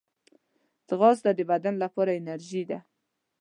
ځغاسته د بدن لپاره انرژي ده